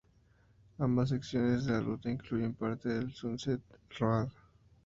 Ambas secciones de la ruta incluyen parte de Sunset Road.